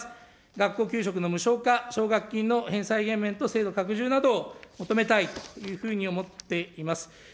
学校給食の無償化、奨学金の返済減免と制度拡充などを求めたいというふうに思っています。